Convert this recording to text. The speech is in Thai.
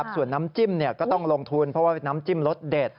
ส่วนน้ำจิ้มก็ต้องลงทุนเพราะว่าน้ำจิ้มรสเด็ด